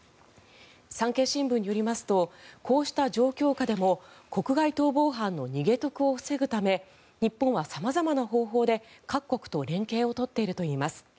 産経新聞によりますとこうした状況下でも国外逃亡犯の逃げ得を防ぐため日本は様々な方法で、各国と連携を取っているといいます。